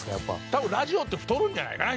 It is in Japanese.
多分ラジオって太るんじゃないかな？